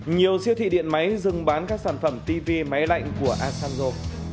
nhiều siêu thị điện máy dừng bán các sản phẩm tv máy lạnh của asanjo